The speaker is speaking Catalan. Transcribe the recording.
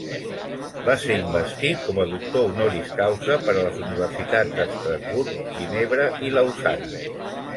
Va ser investit com a doctor honoris causa per les universitats d'Estrasburg, Ginebra i Lausana.